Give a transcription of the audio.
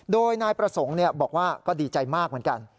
โดยนายประสงค์บอกว่าก็ดีใจมากเหมือนกัน